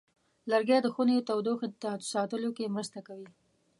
لرګی د خونې تودوخې ساتلو کې مرسته کوي.